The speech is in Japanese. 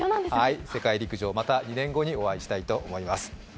世界陸上、また２年後にお会いしたいと思います。